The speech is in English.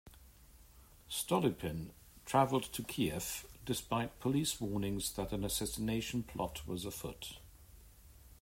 Stolypin traveled to Kiev, despite police warnings that an assassination plot was afoot.